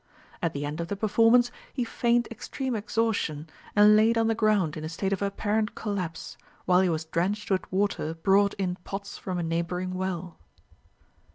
At the end of the performance, he feigned extreme exhaustion, and laid on the ground in a state of apparent collapse, while he was drenched with water brought in pots from a neighbouring well.